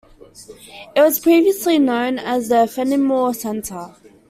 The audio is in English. It was previously also known as Fennimore Center.